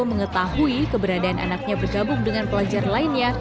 mengetahui keberadaan anaknya bergabung dengan pelajar lainnya